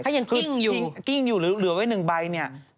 ถ้ายังกิ้งอยู่คือกิ้งอยู่ที่ผิดมี๑ใบนี้